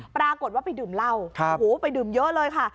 ปรากฏว่าไปดื่มเหล้าโอ้โหไปดื่มเยอะเลยค่ะ